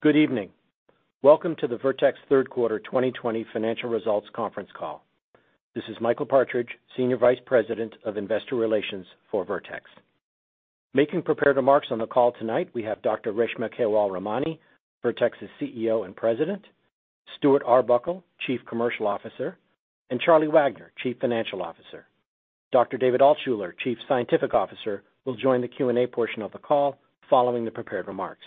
Good evening. Welcome to the Vertex third quarter 2020 financial results conference call. This is Michael Partridge, Senior Vice President of Investor Relations for Vertex. Making prepared remarks on the call tonight, we have Dr. Reshma Kewalramani, Vertex's CEO and President, Stuart Arbuckle, Chief Commercial Officer, and Charlie Wagner, Chief Financial Officer. Dr. David Altshuler, Chief Scientific Officer, will join the Q&A portion of the call following the prepared remarks.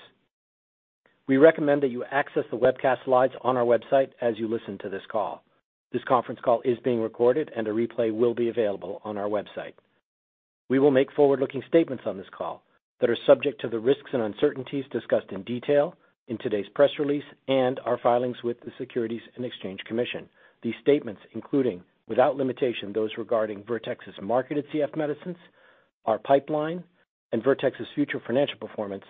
We recommend that you access the webcast slides on our website as you listen to this call. This conference call is being recorded and a replay will be available on our website. We will make forward-looking statements on this call that are subject to the risks and uncertainties discussed in detail in today's press release and our filings with the Securities and Exchange Commission. These statements, including, without limitation, those regarding Vertex's marketed CF medicines, our pipeline, and Vertex's future financial performance,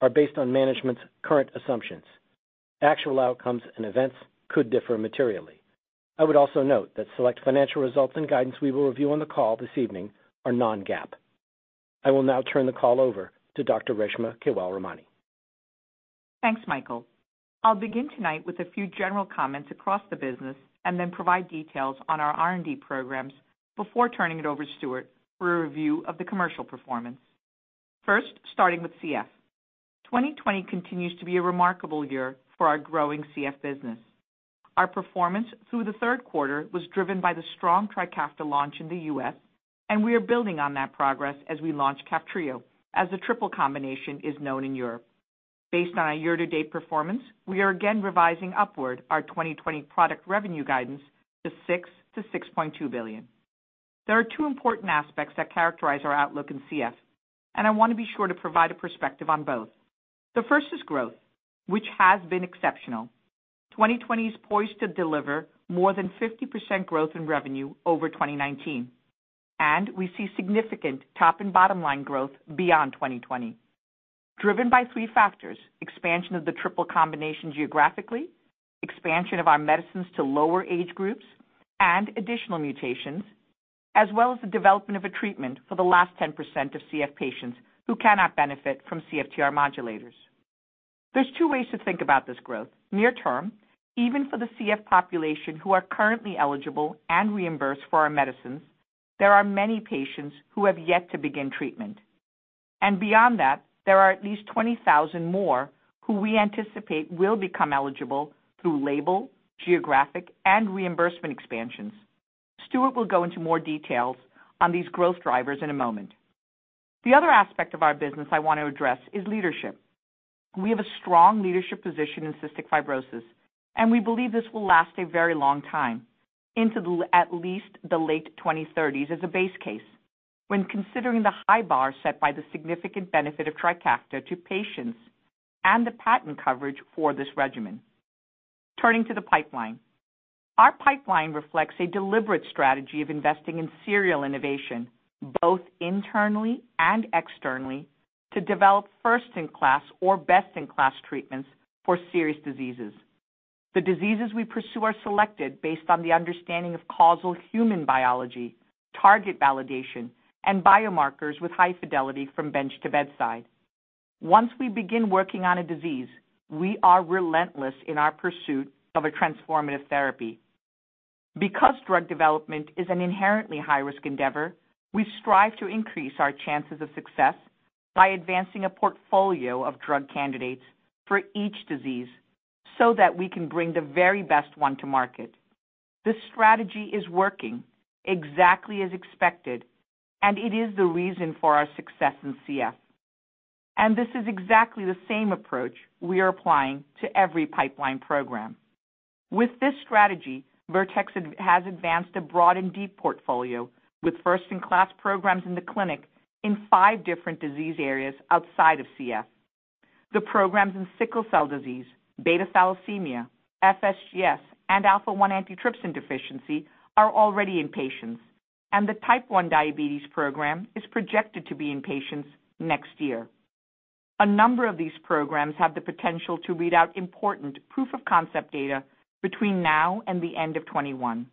are based on management's current assumptions. Actual outcomes and events could differ materially. I would also note that select financial results and guidance we will review on the call this evening are non-GAAP. I will now turn the call over to Dr. Reshma Kewalramani. Thanks, Michael. I'll begin tonight with a few general comments across the business and then provide details on our R&D programs before turning it over to Stuart for a review of the commercial performance. First, starting with CF. 2020 continues to be a remarkable year for our growing CF business. Our performance through the third quarter was driven by the strong TRIKAFTA launch in the U.S., we are building on that progress as we launch KAFTRIO, as the triple combination is known in Europe. Based on our year-to-date performance, we are again revising upward our 2020 product revenue guidance to $6 billion-$6.2 billion. There are two important aspects that characterize our outlook in CF, I want to be sure to provide a perspective on both. The first is growth, which has been exceptional. 2020 is poised to deliver more than 50% growth in revenue over 2019. We see significant top and bottom-line growth beyond 2020, driven by three factors: expansion of the triple combination geographically, expansion of our medicines to lower age groups and additional mutations, as well as the development of a treatment for the last 10% of CF patients who cannot benefit from CFTR modulators. There are two ways to think about this growth. Near term, even for the CF population who are currently eligible and reimbursed for our medicines, there are many patients who have yet to begin treatment. Beyond that, there are at least 20,000 more who we anticipate will become eligible through label, geographic, and reimbursement expansions. Stuart will go into more details on these growth drivers in a moment. The other aspect of our business I want to address is leadership. We have a strong leadership position in cystic fibrosis, and we believe this will last a very long time, into at least the late 2030s as a base case, when considering the high bar set by the significant benefit of TRIKAFTA to patients and the patent coverage for this regimen. Turning to the pipeline. Our pipeline reflects a deliberate strategy of investing in serial innovation, both internally and externally, to develop first-in-class or best-in-class treatments for serious diseases. The diseases we pursue are selected based on the understanding of causal human biology, target validation, and biomarkers with high fidelity from bench to bedside. Once we begin working on a disease, we are relentless in our pursuit of a transformative therapy. Because drug development is an inherently high-risk endeavor, we strive to increase our chances of success by advancing a portfolio of drug candidates for each disease so that we can bring the very best one to market. This strategy is working exactly as expected, and it is the reason for our success in CF. This is exactly the same approach we are applying to every pipeline program. With this strategy, Vertex has advanced a broad and deep portfolio with first-in-class programs in the clinic in five different disease areas outside of CF. The programs in sickle cell disease, beta thalassemia, FSGS, and alpha-1 antitrypsin deficiency are already in patients, and the type 1 diabetes program is projected to be in patients next year. A number of these programs have the potential to read out important proof of concept data between now and the end of 2021.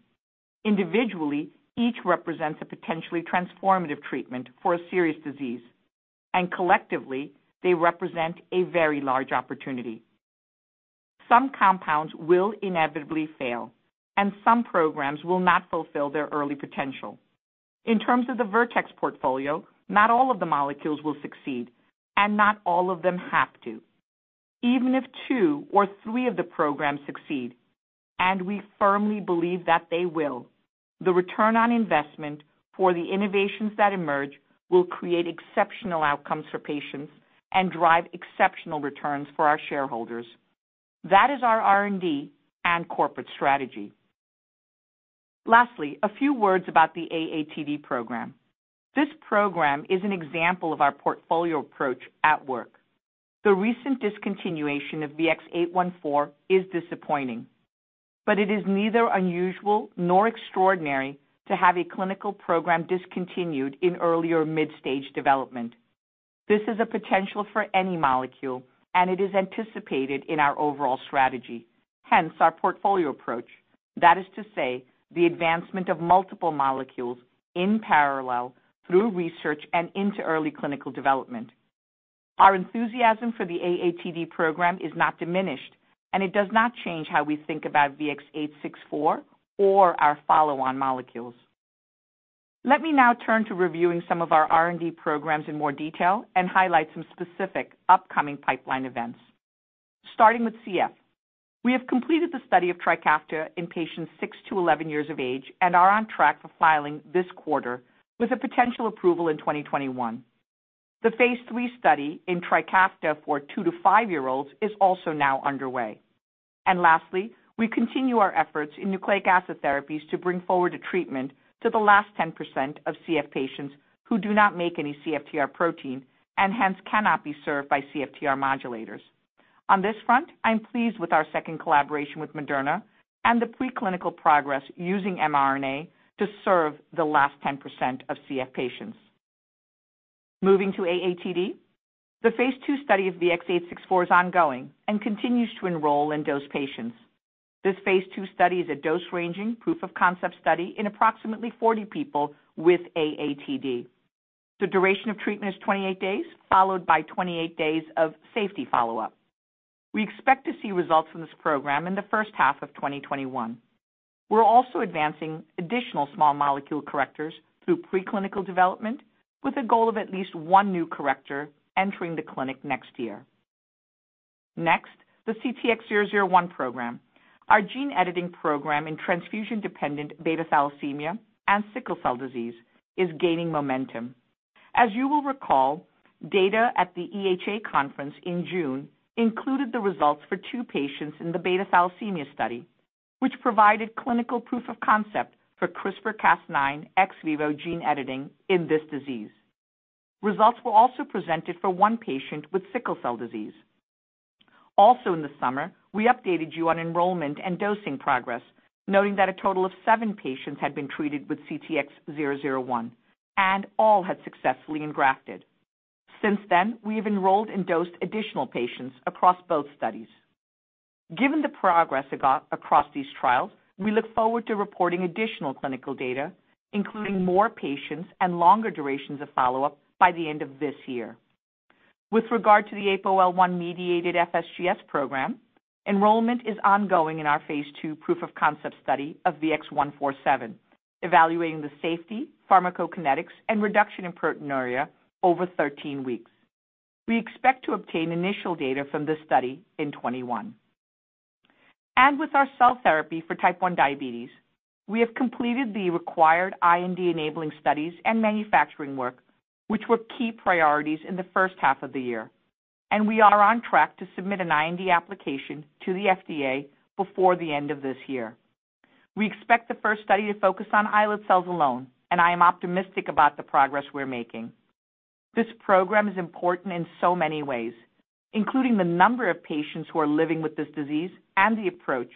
Individually, each represents a potentially transformative treatment for a serious disease, and collectively, they represent a very large opportunity. Some compounds will inevitably fail, and some programs will not fulfill their early potential. In terms of the Vertex portfolio, not all of the molecules will succeed, and not all of them have to. Even if two or three of the programs succeed, and we firmly believe that they will, the return on investment for the innovations that emerge will create exceptional outcomes for patients and drive exceptional returns for our shareholders. That is our R&D and corporate strategy. Lastly, a few words about the AATD program. This program is an example of our portfolio approach at work. The recent discontinuation of VX-814 is disappointing, but it is neither unusual nor extraordinary to have a clinical program discontinued in early or mid-stage development. This is a potential for any molecule, and it is anticipated in our overall strategy, hence our portfolio approach. That is to say, the advancement of multiple molecules in parallel through research and into early clinical development. Our enthusiasm for the AATD program is not diminished, and it does not change how we think about VX-864 or our follow-on molecules. Let me now turn to reviewing some of our R&D programs in more detail and highlight some specific upcoming pipeline events. Starting with CF, we have completed the study of TRIKAFTA in patients six to 11 years of age and are on track for filing this quarter with a potential approval in 2021. The phase III study in TRIKAFTA for two to five-year-olds is also now underway. Lastly, we continue our efforts in nucleic acid therapies to bring forward a treatment to the last 10% of CF patients who do not make any CFTR protein and hence cannot be served by CFTR modulators. On this front, I'm pleased with our second collaboration with Moderna and the preclinical progress using mRNA to serve the last 10% of CF patients. Moving to AATD, the phase II study of VX-864 is ongoing and continues to enroll and dose patients. This phase II study is a dose-ranging, proof of concept study in approximately 40 people with AATD. The duration of treatment is 28 days, followed by 28 days of safety follow-up. We expect to see results from this program in the first half of 2021. We're also advancing additional small molecule correctors through preclinical development with a goal of at least one new corrector entering the clinic next year. The CTX001 program. Our gene editing program in transfusion-dependent beta thalassemia and sickle cell disease is gaining momentum. As you will recall, data at the EHA conference in June included the results for two patients in the beta thalassemia study, which provided clinical proof of concept for CRISPR-Cas9 ex vivo gene editing in this disease. Results were presented for one patient with sickle cell disease. In the summer, we updated you on enrollment and dosing progress, noting that a total of seven patients had been treated with CTX001, and all had successfully engrafted. Since then, we have enrolled and dosed additional patients across both studies. Given the progress across these trials, we look forward to reporting additional clinical data, including more patients and longer durations of follow-up by the end of this year. With regard to the APOL1-mediated FSGS program, enrollment is ongoing in our phase II proof of concept study of VX-147, evaluating the safety, pharmacokinetics, and reduction in proteinuria over 13 weeks. We expect to obtain initial data from this study in 2021. With our cell therapy for type 1 diabetes, we have completed the required IND-enabling studies and manufacturing work, which were key priorities in the first half of the year. We are on track to submit an IND application to the FDA before the end of this year. We expect the first study to focus on islet cells alone, and I am optimistic about the progress we're making. This program is important in so many ways, including the number of patients who are living with this disease and the approach,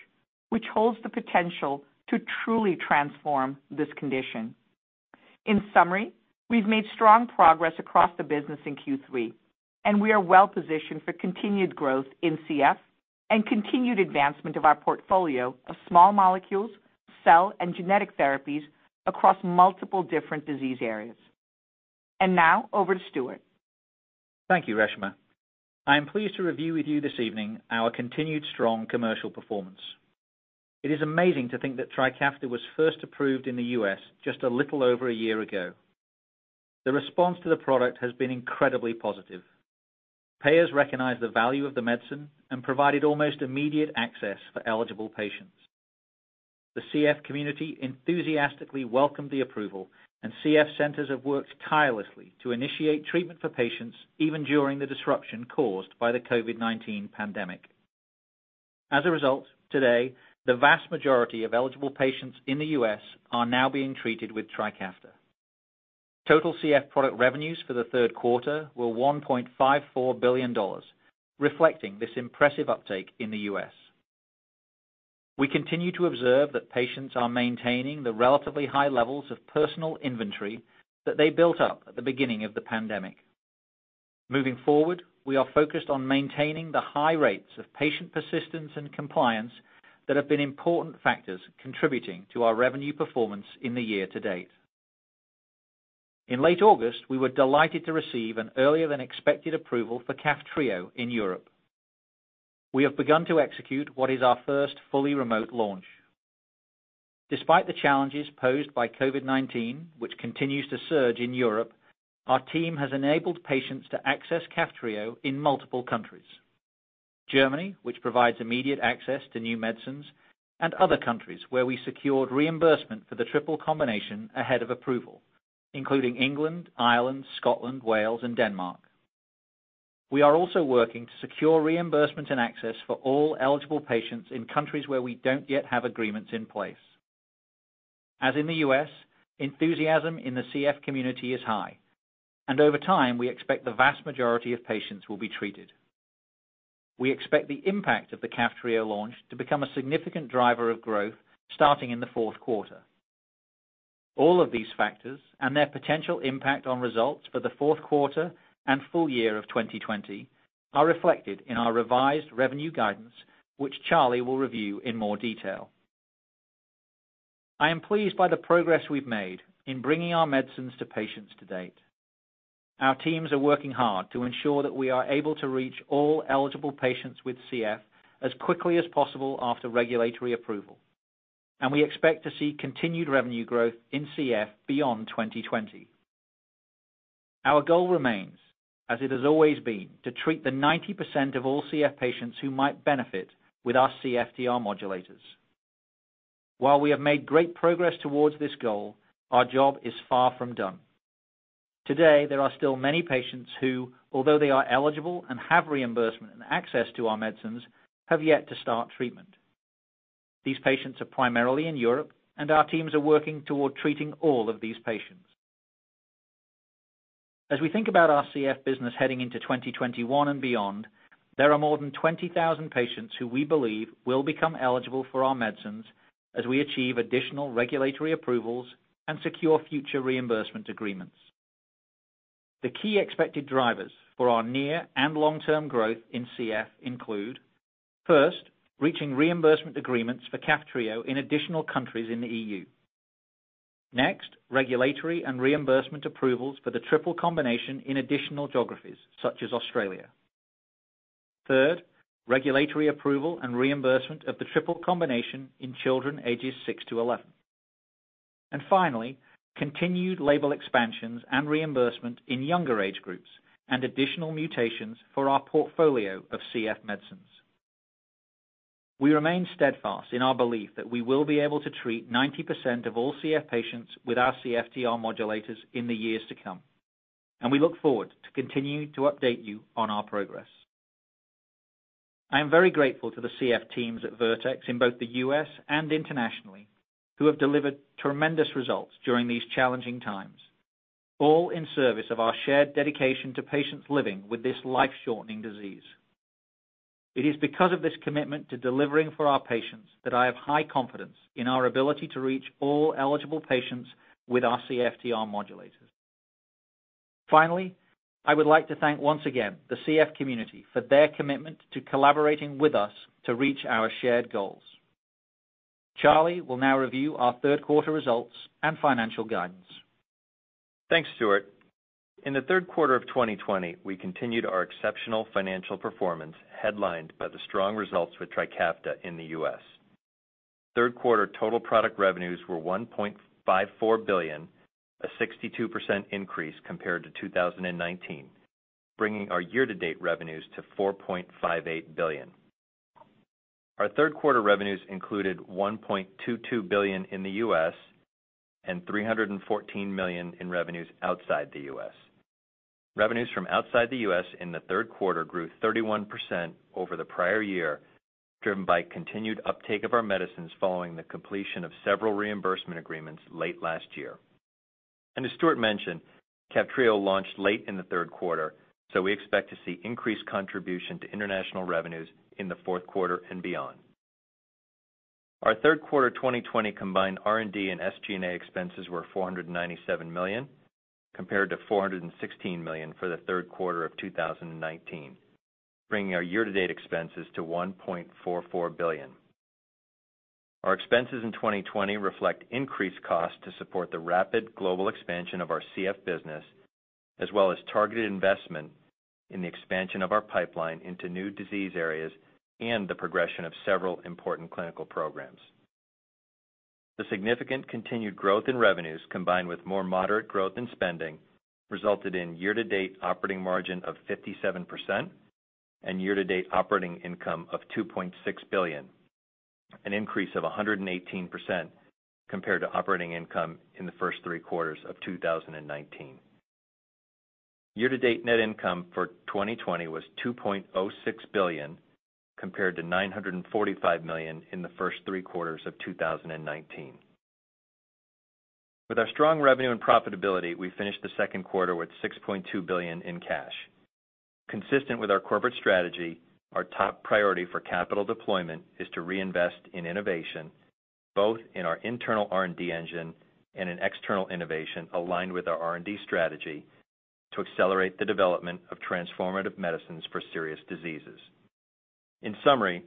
which holds the potential to truly transform this condition. In summary, we've made strong progress across the business in Q3. We are well positioned for continued growth in CF and continued advancement of our portfolio of small molecules, cell, and genetic therapies across multiple different disease areas. Now over to Stuart. Thank you, Reshma. I am pleased to review with you this evening our continued strong commercial performance. It is amazing to think that TRIKAFTA was first approved in the U.S. just a little over a year ago. The response to the product has been incredibly positive. Payers recognize the value of the medicine and provided almost immediate access for eligible patients. The CF community enthusiastically welcomed the approval, and CF centers have worked tirelessly to initiate treatment for patients, even during the disruption caused by the COVID-19 pandemic. As a result, today, the vast majority of eligible patients in the U.S. are now being treated with TRIKAFTA. Total CF product revenues for the third quarter were $1.54 billion, reflecting this impressive uptake in the U.S. We continue to observe that patients are maintaining the relatively high levels of personal inventory that they built up at the beginning of the pandemic. Moving forward, we are focused on maintaining the high rates of patient persistence and compliance that have been important factors contributing to our revenue performance in the year to date. In late August, we were delighted to receive an earlier-than-expected approval for KAFTRIO in Europe. We have begun to execute what is our first fully remote launch. Despite the challenges posed by COVID-19, which continues to surge in Europe, our team has enabled patients to access KAFTRIO in multiple countries. Germany, which provides immediate access to new medicines, and other countries where we secured reimbursement for the triple combination ahead of approval, including England, Ireland, Scotland, Wales, and Denmark. We are also working to secure reimbursement and access for all eligible patients in countries where we don't yet have agreements in place. As in the U.S., enthusiasm in the CF community is high, and over time, we expect the vast majority of patients will be treated. We expect the impact of the KAFTRIO launch to become a significant driver of growth starting in the fourth quarter. All of these factors and their potential impact on results for the fourth quarter and full year of 2020 are reflected in our revised revenue guidance, which Charlie will review in more detail. I am pleased by the progress we've made in bringing our medicines to patients to date. Our teams are working hard to ensure that we are able to reach all eligible patients with CF as quickly as possible after regulatory approval, and we expect to see continued revenue growth in CF beyond 2020. Our goal remains, as it has always been, to treat the 90% of all CF patients who might benefit with our CFTR modulators. While we have made great progress towards this goal, our job is far from done. Today, there are still many patients who, although they are eligible and have reimbursement and access to our medicines, have yet to start treatment. These patients are primarily in Europe, and our teams are working toward treating all of these patients. As we think about our CF business heading into 2021 and beyond, there are more than 20,000 patients who we believe will become eligible for our medicines as we achieve additional regulatory approvals and secure future reimbursement agreements. The key expected drivers for our near and long-term growth in CF include, first, reaching reimbursement agreements for KAFTRIO in additional countries in the EU. Next, regulatory and reimbursement approvals for the triple combination in additional geographies such as Australia. Third, regulatory approval and reimbursement of the triple combination in children ages 6-11. Finally, continued label expansions and reimbursement in younger age groups and additional mutations for our portfolio of CF medicines. We remain steadfast in our belief that we will be able to treat 90% of all CF patients with our CFTR modulators in the years to come, and we look forward to continuing to update you on our progress. I am very grateful to the CF teams at Vertex in both the U.S. and internationally who have delivered tremendous results during these challenging times, all in service of our shared dedication to patients living with this life-shortening disease. It is because of this commitment to delivering for our patients that I have high confidence in our ability to reach all eligible patients with our CFTR modulators. Finally, I would like to thank once again the CF community for their commitment to collaborating with us to reach our shared goals. Charlie will now review our third quarter results and financial guidance. Thanks, Stuart. In the third quarter of 2020, we continued our exceptional financial performance headlined by the strong results with TRIKAFTA in the U.S. Third quarter total product revenues were $1.54 billion, a 62% increase compared to 2019, bringing our year-to-date revenues to $4.58 billion. Our third quarter revenues included $1.22 billion in the U.S. and $314 million in revenues outside the U.S. Revenues from outside the U.S. in the third quarter grew 31% over the prior year, driven by continued uptake of our medicines following the completion of several reimbursement agreements late last year. As Stuart mentioned, KAFTRIO launched late in the third quarter. We expect to see increased contribution to international revenues in the fourth quarter and beyond. Our third quarter 2020 combined R&D and SG&A expenses were $497 million, compared to $416 million for the third quarter of 2019, bringing our year-to-date expenses to $1.44 billion. Our expenses in 2020 reflect increased costs to support the rapid global expansion of our CF business, as well as targeted investment in the expansion of our pipeline into new disease areas and the progression of several important clinical programs. The significant continued growth in revenues, combined with more moderate growth in spending, resulted in year-to-date operating margin of 57% and year-to-date operating income of $2.6 billion, an increase of 118% compared to operating income in the first three quarters of 2019. Year-to-date net income for 2020 was $2.06 billion, compared to $945 million in the first three quarters of 2019. With our strong revenue and profitability, we finished the second quarter with $6.2 billion in cash. Consistent with our corporate strategy, our top priority for capital deployment is to reinvest in innovation, both in our internal R&D engine and in external innovation aligned with our R&D strategy to accelerate the development of transformative medicines for serious diseases. In summary,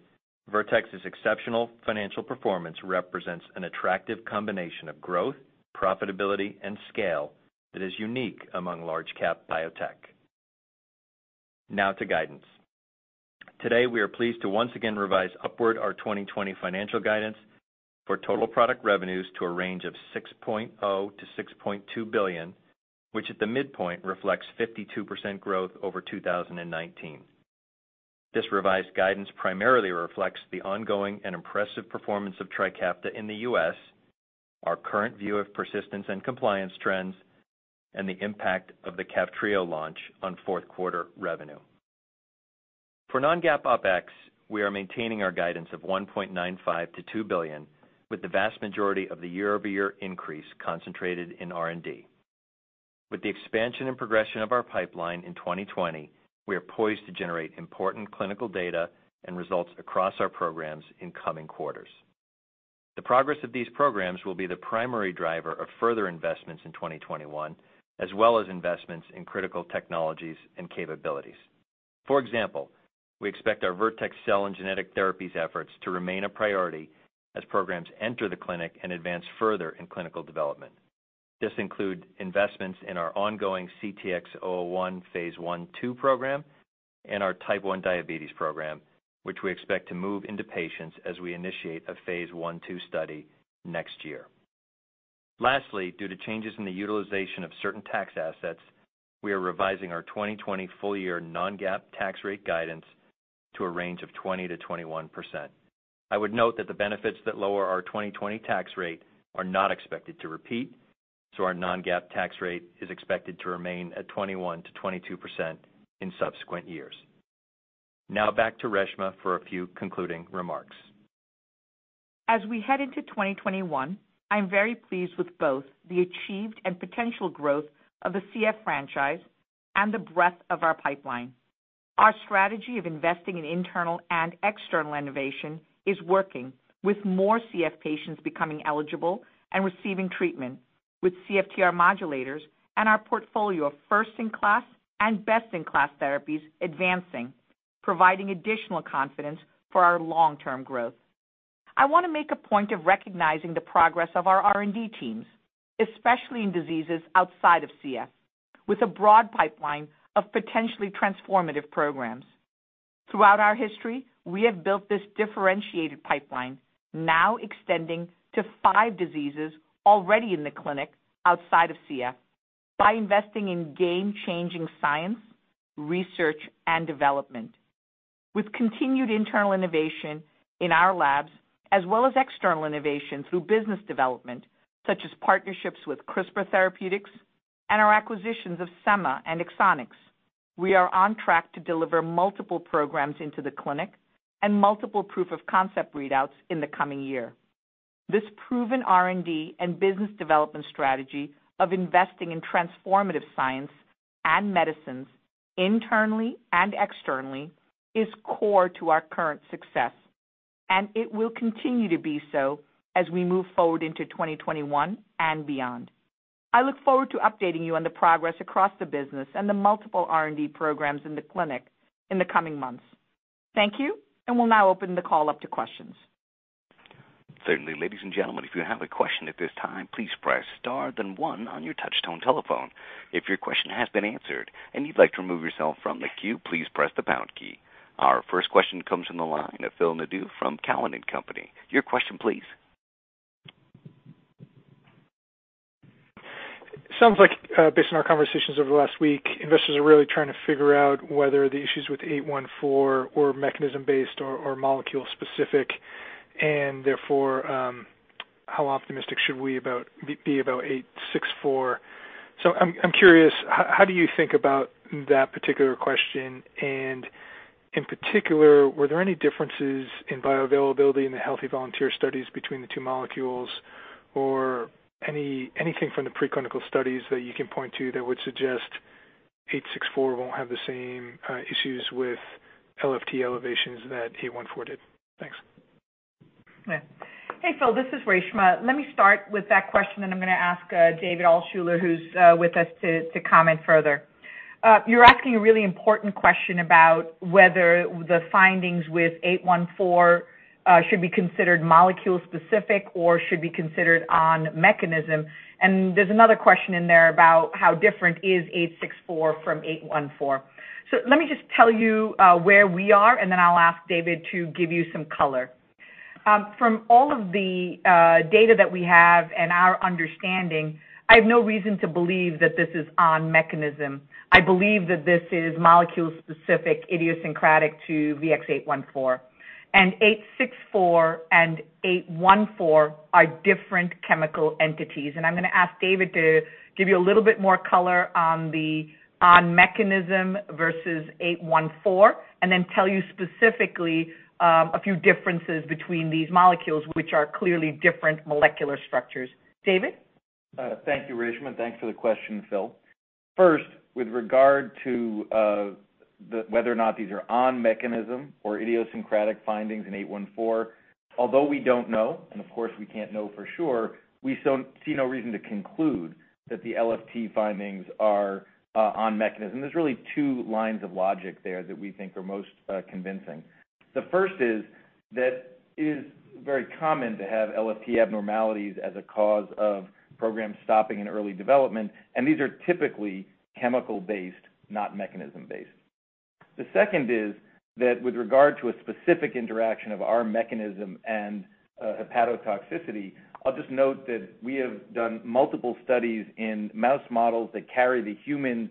Vertex's exceptional financial performance represents an attractive combination of growth, profitability, and scale that is unique among large cap biotech. Now to guidance. Today, we are pleased to once again revise upward our 2020 financial guidance for total product revenues to a range of $6.0 billion-$6.2 billion, which at the midpoint reflects 52% growth over 2019. This revised guidance primarily reflects the ongoing and impressive performance of TRIKAFTA in the U.S., our current view of persistence and compliance trends, and the impact of the KAFTRIO launch on fourth quarter revenue. For non-GAAP OpEx, we are maintaining our guidance of $1.95 billion-$2 billion with the vast majority of the year-over-year increase concentrated in R&D. With the expansion and progression of our pipeline in 2020, we are poised to generate important clinical data and results across our programs in coming quarters. The progress of these programs will be the primary driver of further investments in 2021, as well as investments in critical technologies and capabilities. For example, we expect our Vertex cell and genetic therapies efforts to remain a priority as programs enter the clinic and advance further in clinical development. This include investments in our ongoing CTX001 phase I/II program and our type 1 diabetes program, which we expect to move into patients as we initiate a phase I/II study next year. Lastly, due to changes in the utilization of certain tax assets, we are revising our 2020 full year non-GAAP tax rate guidance to a range of 20%-21%. I would note that the benefits that lower our 2020 tax rate are not expected to repeat. Our non-GAAP tax rate is expected to remain at 21%-22% in subsequent years. Now back to Reshma for a few concluding remarks. As we head into 2021, I'm very pleased with both the achieved and potential growth of the CF franchise and the breadth of our pipeline. Our strategy of investing in internal and external innovation is working with more CF patients becoming eligible and receiving treatment with CFTR modulators and our portfolio of first-in-class and best-in-class therapies advancing, providing additional confidence for our long-term growth. I want to make a point of recognizing the progress of our R&D teams, especially in diseases outside of CF, with a broad pipeline of potentially transformative programs. Throughout our history, we have built this differentiated pipeline, now extending to five diseases already in the clinic outside of CF by investing in game-changing science, research, and development. With continued internal innovation in our labs, as well as external innovation through business development, such as partnerships with CRISPR Therapeutics and our acquisitions of Semma and Exonics, we are on track to deliver multiple programs into the clinic and multiple proof of concept readouts in the coming year. This proven R&D and business development strategy of investing in transformative science and medicines internally and externally is core to our current success, and it will continue to be so as we move forward into 2021 and beyond. I look forward to updating you on the progress across the business and the multiple R&D programs in the clinic in the coming months. Thank you, and we'll now open the call up to questions. Certainly, ladies and gentlemen, if you have a question at this time, please press star then one on your touch-tone telephone. If your question has been answered, and you'd like to remove yourself from the queue, please press the pound key. Our first question comes from the line of Phil Nadeau from Cowen and Company. Sounds like, based on our conversations over the last week, investors are really trying to figure out whether the issues with VX-814 were mechanism-based or molecule-specific, and therefore, how optimistic should we be about VX-864. I'm curious, how do you think about that particular question? And in particular, were there any differences in bioavailability in the healthy volunteer studies between the two molecules or anything from the preclinical studies that you can point to that would suggest VX-864 won't have the same issues with LFT elevations that VX-814 did? Thanks. Hey, Phil. This is Reshma. Let me start with that question, and I'm going to ask David Altshuler, who's with us to comment further. You're asking a really important question about whether the findings with 814 should be considered molecule-specific or should be considered on mechanism. There's another question in there about how different is 864 from 814. Let me just tell you where we are, and then I'll ask David to give you some color. From all of the data that we have and our understanding, I have no reason to believe that this is on mechanism. I believe that this is molecule-specific, idiosyncratic to VX-814. 864 and 814 are different chemical entities. I'm going to ask David to give you a little bit more color on mechanism versus 814, then tell you specifically a few differences between these molecules, which are clearly different molecular structures. David? Thank you, Reshma, and thanks for the question, Phil. First, with regard to whether or not these are on mechanism or idiosyncratic findings in 814, although we don't know, and of course we can't know for sure, we see no reason to conclude that the LFT findings are on mechanism. There's really two lines of logic there that we think are most convincing. The first is that it is very common to have LFT abnormalities as a cause of programs stopping in early development, and these are typically chemical based, not mechanism based. The second is that with regard to a specific interaction of our mechanism and hepatotoxicity, I'll just note that we have done multiple studies in mouse models that carry the human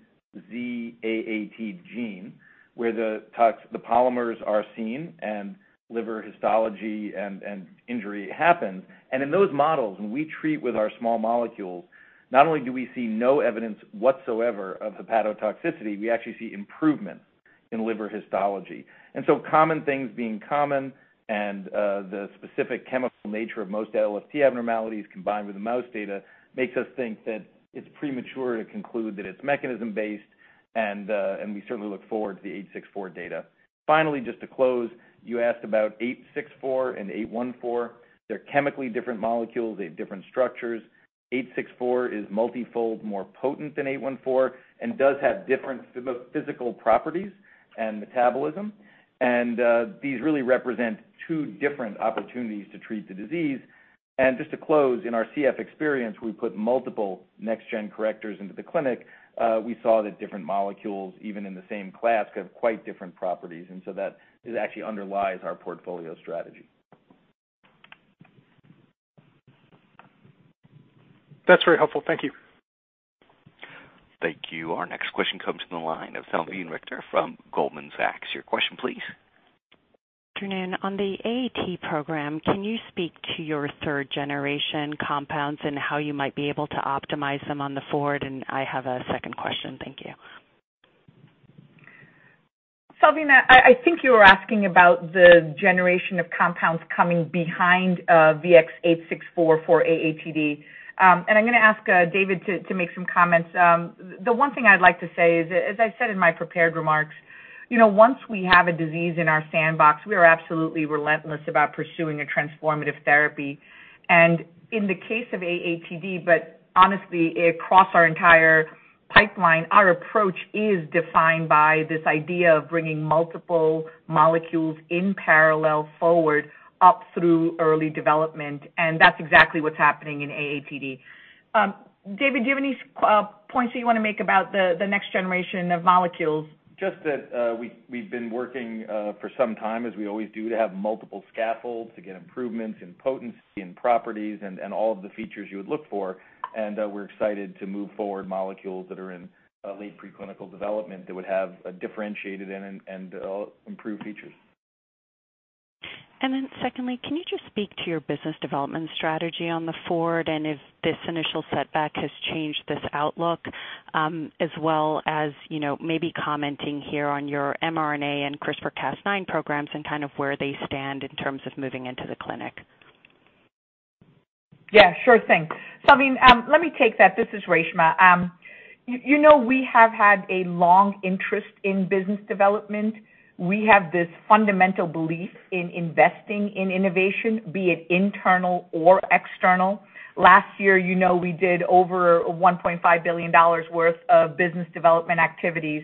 Z-AAT gene, where the polymers are seen and liver histology and injury happens. In those models, when we treat with our small molecules, not only do we see no evidence whatsoever of hepatotoxicity, we actually see improvement in liver histology. Common things being common and the specific chemical nature of most LFT abnormalities combined with the mouse data makes us think that it's premature to conclude that it's mechanism-based, and we certainly look forward to the 864 data. Finally, just to close, you asked about 864 and 814. They're chemically different molecules. They have different structures. 864 is multifold more potent than 814 and does have different physical properties and metabolism. These really represent two different opportunities to treat the disease. Just to close, in our CF experience, we put multiple next-gen correctors into the clinic. We saw that different molecules, even in the same class, could have quite different properties. That actually underlies our portfolio strategy. That's very helpful. Thank you. Thank you. Our next question comes from the line of Salveen Richter from Goldman Sachs. Your question, please. Good afternoon. On the AAT program, can you speak to your third-generation compounds and how you might be able to optimize them on the forward? I have a second question. Thank you. Salveen, I think you were asking about the generation of compounds coming behind, VX-864 for AATD. I'm going to ask David to make some comments. The one thing I'd like to say is, as I said in my prepared remarks, once we have a disease in our sandbox, we are absolutely relentless about pursuing a transformative therapy. In the case of AATD, but honestly across our entire pipeline, our approach is defined by this idea of bringing multiple molecules in parallel forward up through early development, and that's exactly what's happening in AATD. David, do you have any points that you want to make about the next generation of molecules? Just that we've been working for some time, as we always do, to have multiple scaffolds to get improvements in potency and properties and all of the features you would look for. We're excited to move forward molecules that are in late preclinical development that would have differentiated and improved features. Secondly, can you just speak to your business development strategy on the forward and if this initial setback has changed this outlook as well as maybe commenting here on your mRNA and CRISPR-Cas9 programs and kind of where they stand in terms of moving into the clinic? Yeah, sure thing. Salveen, let me take that. This is Reshma. We have had a long interest in business development. We have this fundamental belief in investing in innovation, be it internal or external. Last year, we did over $1.5 billion worth of business development activities.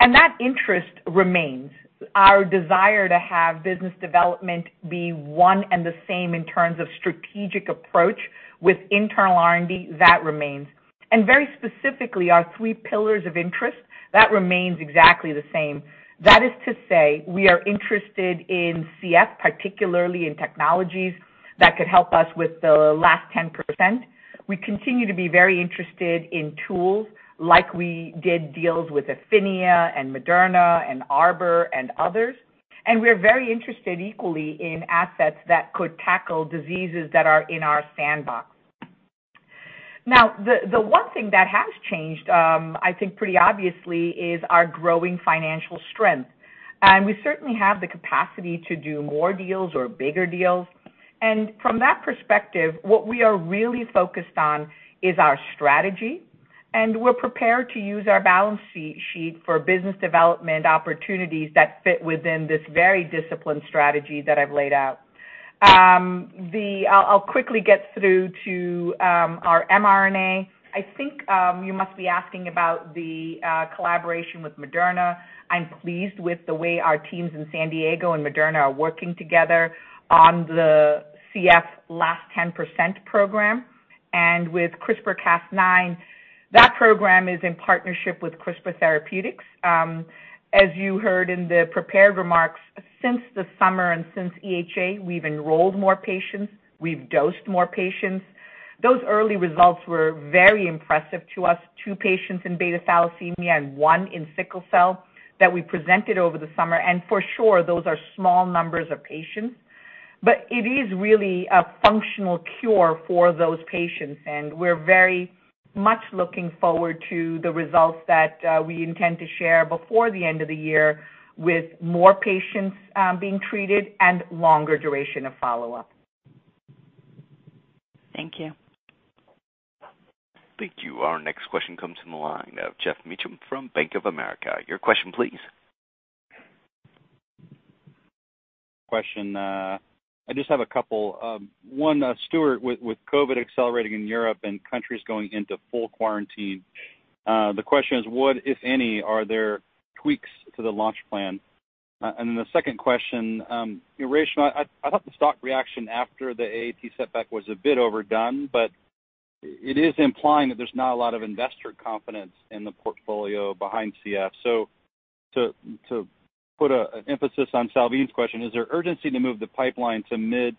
That interest remains. Our desire to have business development be one and the same in terms of strategic approach with internal R&D, that remains. Very specifically, our three pillars of interest, that remains exactly the same. That is to say we are interested in CF, particularly in technologies that could help us with the last 10%. We continue to be very interested in tools like we did deals with Affinia and Moderna and Arbor and others. We're very interested equally in assets that could tackle diseases that are in our sandbox. The one thing that has changed, I think pretty obviously, is our growing financial strength. We certainly have the capacity to do more deals or bigger deals. From that perspective, what we are really focused on is our strategy, and we're prepared to use our balance sheet for business development opportunities that fit within this very disciplined strategy that I've laid out. I'll quickly get through to our mRNA. I think you must be asking about the collaboration with Moderna. I'm pleased with the way our teams in San Diego and Moderna are working together on the CF last 10% program and with CRISPR-Cas9. That program is in partnership with CRISPR Therapeutics. As you heard in the prepared remarks, since the summer and since EHA, we've enrolled more patients, we've dosed more patients. Those early results were very impressive to us. Two patients in beta thalassemia and one in sickle cell that we presented over the summer. For sure, those are small numbers of patients. It is really a functional cure for those patients, and we're very much looking forward to the results that we intend to share before the end of the year with more patients being treated and longer duration of follow-up. Thank you. Thank you. Our next question comes from the line of Geoff Meacham from Bank of America. Your question, please. Question. I just have a couple. One, Stuart, with COVID accelerating in Europe and countries going into full quarantine, the question is what, if any, are there tweaks to the launch plan? The second question, Reshma, I thought the stock reaction after the AAT setback was a bit overdone, but it is implying that there's not a lot of investor confidence in the portfolio behind CF. To put an emphasis on Salveen's question, is there urgency to move the pipeline to mid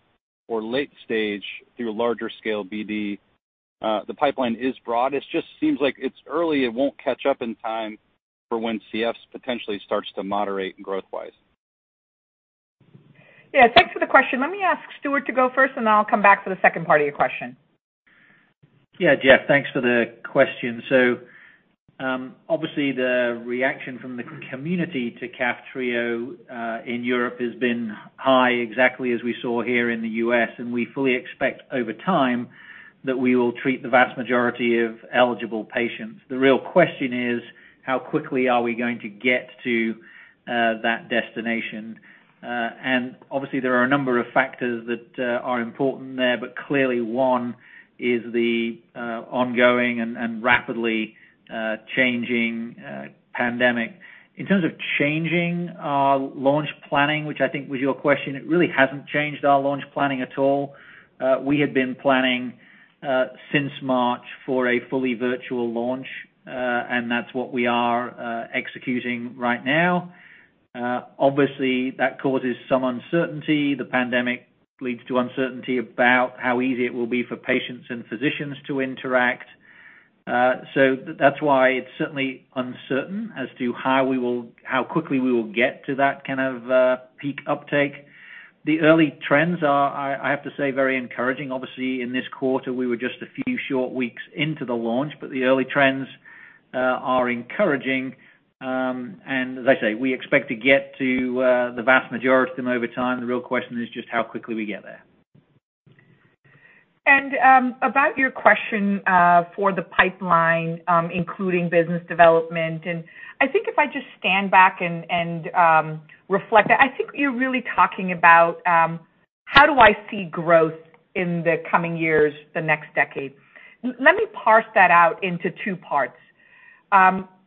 or late stage through larger scale BD? The pipeline is broad. It just seems like it's early, it won't catch up in time for when CF potentially starts to moderate growth-wise. Yeah, thanks for the question. Let me ask Stuart to go first, and then I'll come back for the second part of your question. Yeah, Geoff, thanks for the question. Obviously, the reaction from the community to KAFTRIO in Europe has been high, exactly as we saw here in the U.S., and we fully expect over time that we will treat the vast majority of eligible patients. The real question is how quickly are we going to get to that destination? Obviously there are a number of factors that are important there, but clearly one is the ongoing and rapidly changing pandemic. In terms of changing our launch planning, which I think was your question, it really hasn't changed our launch planning at all. We had been planning since March for a fully virtual launch. That's what we are executing right now. Obviously, that causes some uncertainty. The pandemic leads to uncertainty about how easy it will be for patients and physicians to interact. That's why it's certainly uncertain as to how quickly we will get to that kind of peak uptake. The early trends are, I have to say, very encouraging. Obviously, in this quarter, we were just a few short weeks into the launch, but the early trends are encouraging. As I say, we expect to get to the vast majority of them over time. The real question is just how quickly we get there. About your question for the pipeline including business development, I think if I just stand back and reflect, I think you're really talking about how do I see growth in the coming years, the next decade. Let me parse that out into two parts.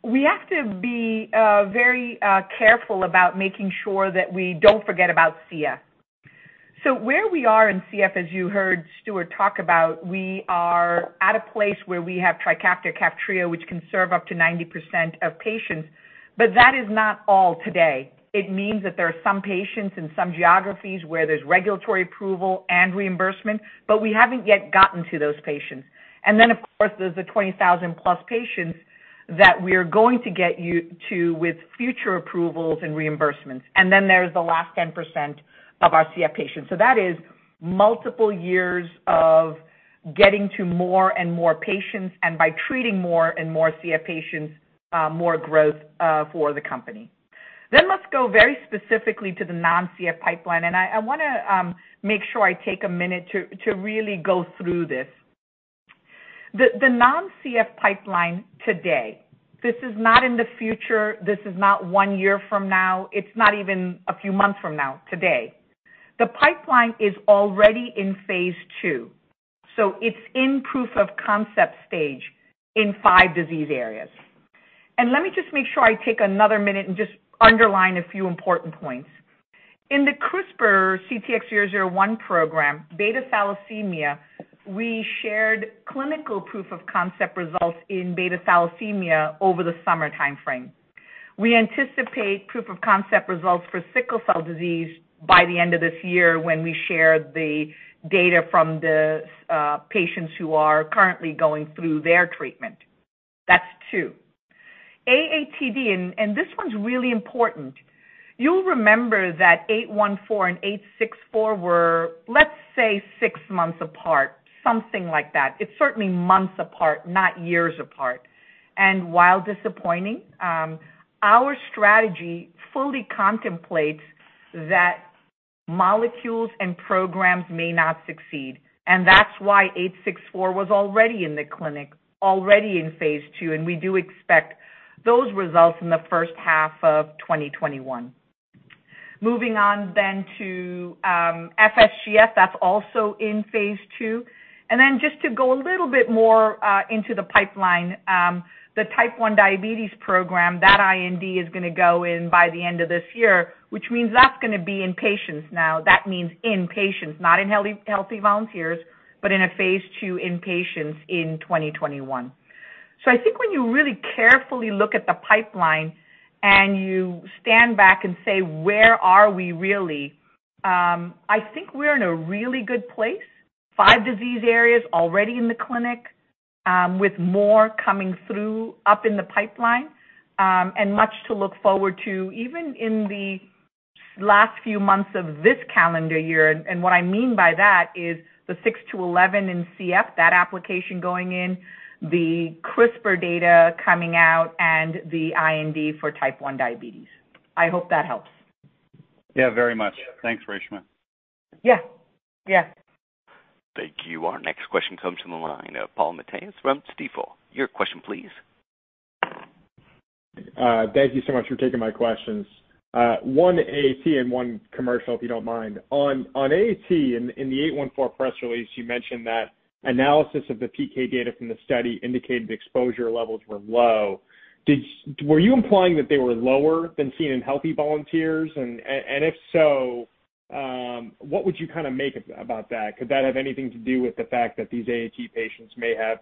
We have to be very careful about making sure that we don't forget about CF. Where we are in CF, as you heard Stuart talk about, we are at a place where we have TRIKAFTA, KAFTRIO, which can serve up to 90% of patients, but that is not all today. It means that there are some patients in some geographies where there's regulatory approval and reimbursement, but we haven't yet gotten to those patients. Of course, there's the 20,000-plus patients that we're going to get to with future approvals and reimbursements. There's the last 10% of our CF patients. That is multiple years of getting to more and more patients, and by treating more and more CF patients, more growth for the company. Let's go very specifically to the non-CF pipeline, and I want to make sure I take a minute to really go through this. The non-CF pipeline today, this is not in the future, this is not one year from now. It's not even a few months from now. Today. The pipeline is already in phase II, so it's in proof of concept stage in 5 disease areas. Let me just make sure I take another minute and just underline a few important points. In the CRISPR CTX001 program, beta thalassemia, we shared clinical proof of concept results in beta thalassemia over the summer timeframe. We anticipate proof of concept results for sickle cell disease by the end of this year when we share the data from the patients who are currently going through their treatment. That's two. AATD, this one's really important. You'll remember that 814 and 864 were, let's say, six months apart, something like that. It's certainly months apart, not years apart. While disappointing, our strategy fully contemplates that molecules and programs may not succeed, that's why 864 was already in the clinic, already in phase II, we do expect those results in the first half of 2021. Moving on then to FSGS, that's also in phase II. Just to go a little bit more into the pipeline, the type one diabetes program, that IND is going to go in by the end of this year, which means that's going to be in patients now. That means in patients, not in healthy volunteers, but in a phase II in patients in 2021. I think when you really carefully look at the pipeline and you stand back and say, "Where are we really?" I think we're in a really good place. Five disease areas already in the clinic, with more coming through up in the pipeline, and much to look forward to even in the last few months of this calendar year. What I mean by that is the 6-11 in CF, that application going in, the CRISPR data coming out, and the IND for type 1 diabetes. I hope that helps. Yeah, very much. Thanks, Reshma. Yeah. Thank you. Our next question comes from the line of Paul Matteis from Stifel. Your question please. Thank you so much for taking my questions. One AAT and one commercial, if you don't mind. On AAT, in the 814 press release, you mentioned that analysis of the PK data from the study indicated exposure levels were low. Were you implying that they were lower than seen in healthy volunteers? If so, what would you make about that? Could that have anything to do with the fact that these AAT patients may have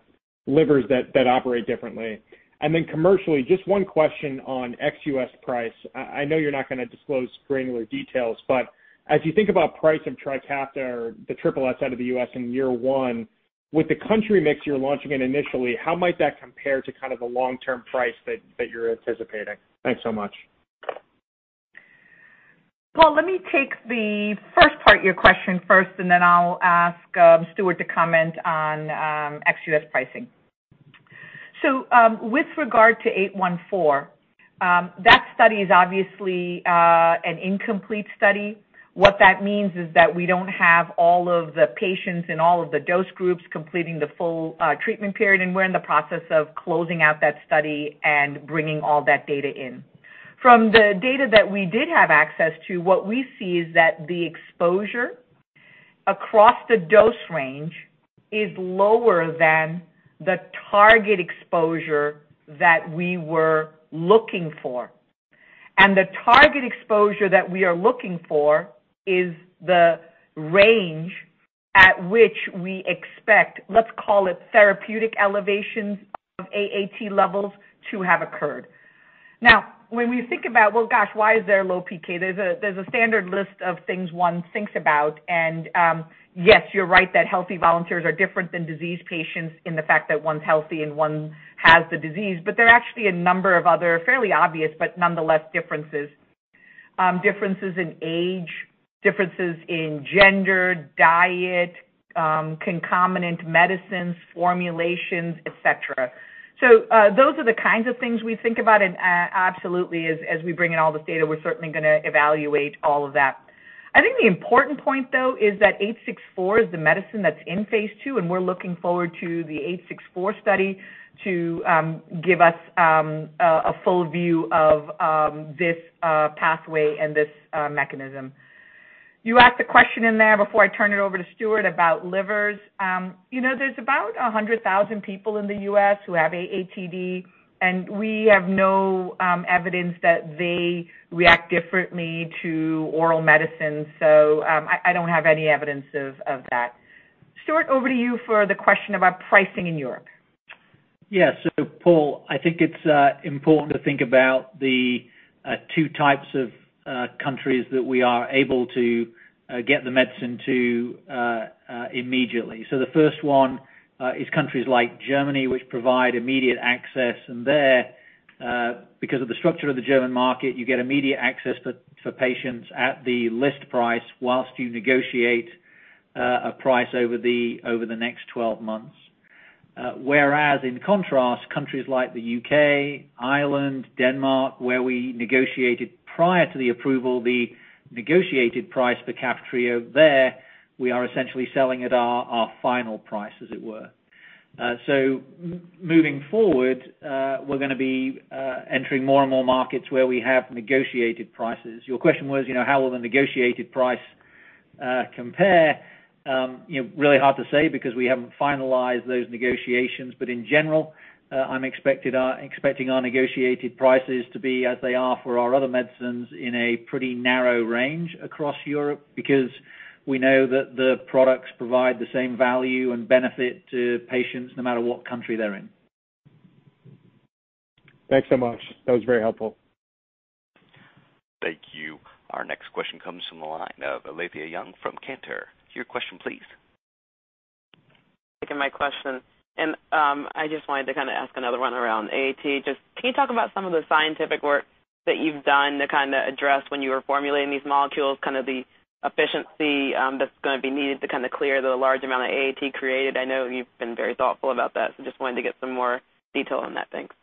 livers that operate differently? Then commercially, just one question on ex-U.S. price. I know you're not going to disclose granular details, but as you think about price of TRIKAFTA or the KAFTRIO out of the U.S. in year one, with the country mix you're launching in initially, how might that compare to the long-term price that you're anticipating? Thanks so much. Paul, let me take the first part of your question first, then I'll ask Stuart to comment on ex-U.S. pricing. With regard to 814, that study is obviously an incomplete study. What that means is that we don't have all of the patients in all of the dose groups completing the full treatment period, and we're in the process of closing out that study and bringing all that data in. From the data that we did have access to, what we see is that the exposure across the dose range is lower than the target exposure that we were looking for. The target exposure that we are looking for is the range at which we expect, let's call it therapeutic elevations of AAT levels to have occurred. Now, when we think about, well, gosh, why is there low PK? There's a standard list of things one thinks about, and, yes, you're right that healthy volunteers are different than diseased patients in the fact that one's healthy and one has the disease. There are actually a number of other fairly obvious, but nonetheless, differences. Differences in age, differences in gender, diet, concomitant medicines, formulations, et cetera. Those are the kinds of things we think about and absolutely, as we bring in all this data, we're certainly going to evaluate all of that. I think the important point, though, is that 864 is the medicine that's in phase II, and we're looking forward to the 864 study to give us a full view of this pathway and this mechanism. You asked a question in there before I turn it over to Stuart about livers. There's about 100,000 people in the U.S. who have AATD. We have no evidence that they react differently to oral medicine. I don't have any evidence of that. Stuart, over to you for the question about pricing in Europe. Paul, I think it's important to think about the two types of countries that we are able to get the medicine to immediately. The first one is countries like Germany, which provide immediate access, and there, because of the structure of the German market, you get immediate access for patients at the list price whilst you negotiate a price over the next 12 months. Whereas in contrast, countries like the U.K., Ireland, Denmark, where we negotiated prior to the approval the negotiated price for KAFTRIO, there we are essentially selling at our final price, as it were. Moving forward, we're going to be entering more and more markets where we have negotiated prices. Your question was, how will the negotiated price compare? Really hard to say because we haven't finalized those negotiations. In general, I'm expecting our negotiated prices to be as they are for our other medicines in a pretty narrow range across Europe, because we know that the products provide the same value and benefit to patients no matter what country they're in. Thanks so much. That was very helpful. Thank you. Our next question comes from the line of Alethia Young from Cantor. Your question, please. Taking my question. I just wanted to ask another one around AAT. Can you talk about some of the scientific work that you've done to address when you were formulating these molecules, the efficiency that's going to be needed to clear the large amount of AAT created? I know you've been very thoughtful about that, so just wanted to get some more detail on that. Thanks.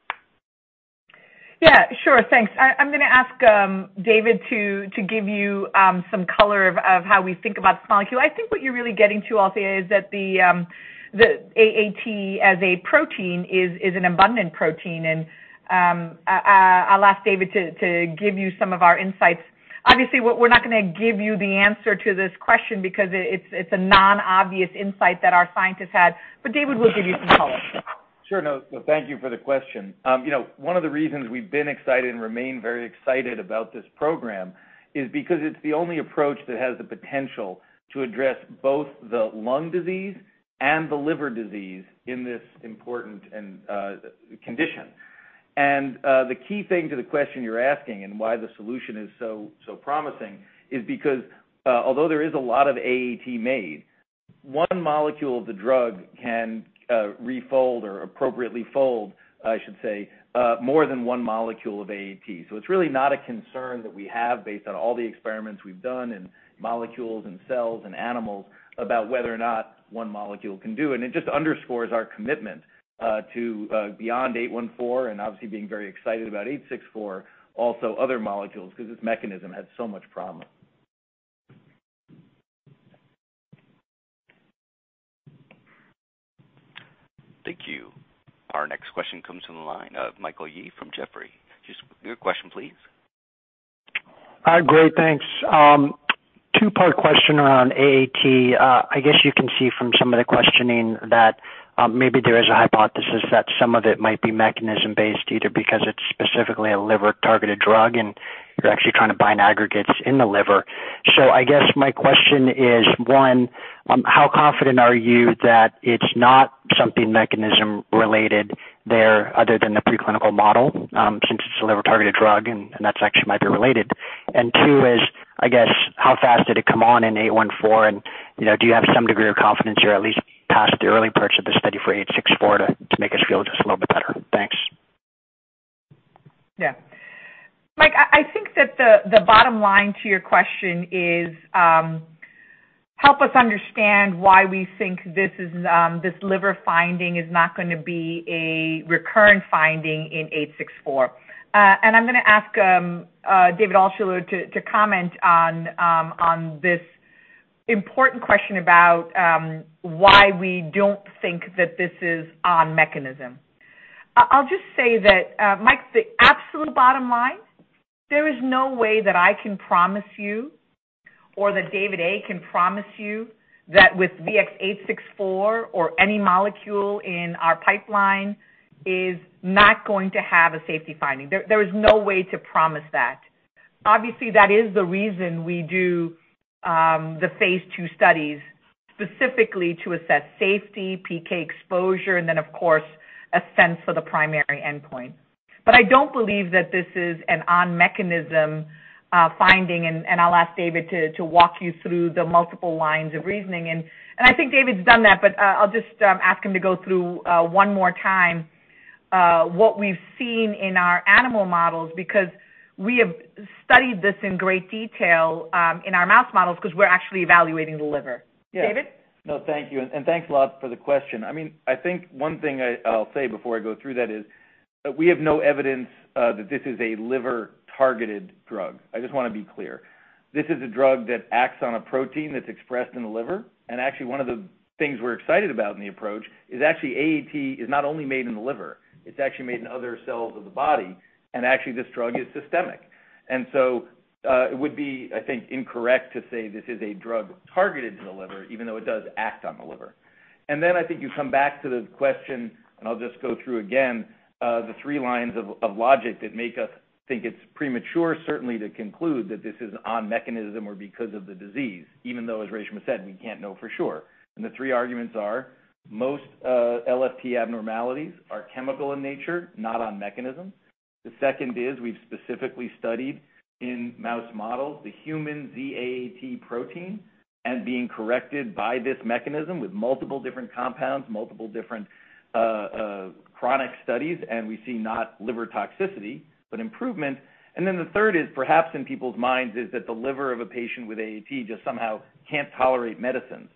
Yeah, sure. Thanks. I'm going to ask David to give you some color of how we think about this molecule. I think what you're really getting to, Alethia, is that the AAT as a protein is an abundant protein, and I'll ask David to give you some of our insights. Obviously, we're not going to give you the answer to this question because it's a non-obvious insight that our scientists had. David will give you some color. Thank you for the question. One of the reasons we've been excited and remain very excited about this program is because it's the only approach that has the potential to address both the lung disease and the liver disease in this important condition. The key thing to the question you're asking and why the solution is so promising is because although there is a lot of AAT made, one molecule of the drug can refold or appropriately fold, I should say, more than one molecule of AAT. It's really not a concern that we have based on all the experiments we've done in molecules and cells and animals about whether or not one molecule can do. It just underscores our commitment to beyond 814 and obviously being very excited about 864, also other molecules, because this mechanism has so much promise. Thank you. Our next question comes from the line of Michael Yee from Jefferies. Your question, please. All right, great. Thanks. Two-part question around AAT. I guess you can see from some of the questioning that maybe there is a hypothesis that some of it might be mechanism-based, either because it's specifically a liver-targeted drug and you're actually trying to bind aggregates in the liver. I guess my question is, one, how confident are you that it's not something mechanism-related there other than the preclinical model? Since it's a liver-targeted drug and that actually might be related. Two is, I guess, how fast did it come on in 814? Do you have some degree of confidence you're at least past the early parts of the study for 864 to make us feel just a little bit better, thanks. Yeah. Mike, I think that the bottom line to your question is, help us understand why we think this liver finding is not going to be a recurrent finding in 864. I'm going to ask David Altshuler to comment on this important question about why we don't think that this is on mechanism. I'll just say that, Mike, the absolute bottom line, there is no way that I can promise you or that David A. can promise you that with VX-864 or any molecule in our pipeline is not going to have a safety finding. There is no way to promise that. Obviously, that is the reason we do the phase II studies specifically to assess safety, PK exposure, and then, of course, a sense for the primary endpoint. I don't believe that this is an on-mechanism finding, and I'll ask David to walk you through the multiple lines of reasoning. I think David's done that, but I'll just ask him to go through one more time what we've seen in our animal models, because we have studied this in great detail in our mouse models because we're actually evaluating the liver. David? No, thank you. Thanks a lot for the question. I think one thing I'll say before I go through that is we have no evidence that this is a liver-targeted drug. I just want to be clear. This is a drug that acts on a protein that's expressed in the liver, and actually one of the things we're excited about in the approach is actually AAT is not only made in the liver, it's actually made in other cells of the body, and actually this drug is systemic. It would be, I think, incorrect to say this is a drug targeted to the liver, even though it does act on the liver. I think you come back to the question, I'll just go through again the three lines of logic that make us think it's premature, certainly, to conclude that this is on mechanism or because of the disease, even though, as Reshma said, we can't know for sure. The three arguments are most LFT abnormalities are chemical in nature, not on mechanism. The second is we've specifically studied in mouse models the human ZAAT protein and being corrected by this mechanism with multiple different compounds, multiple different chronic studies, and we see not liver toxicity, but improvement. The third is perhaps in people's minds is that the liver of a patient with AAT just somehow can't tolerate medicines.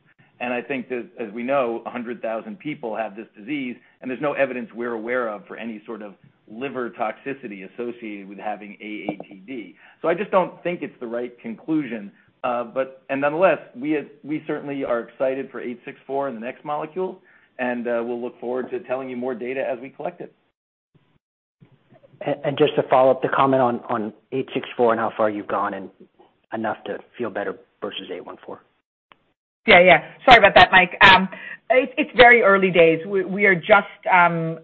I think that as we know, 100,000 people have this disease and there's no evidence we're aware of for any sort of liver toxicity associated with having AATD. I just don't think it's the right conclusion. Nonetheless, we certainly are excited for 864 and the next molecule, and we'll look forward to telling you more data as we collect it. Just to follow up the comment on 864 and how far you've gone and enough to feel better versus 814. Sorry about that, Mike. It's very early days. We are just